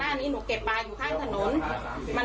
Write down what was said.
มันเอาเฟี้ยงนี่เก็บปลาอยู่ที่แผง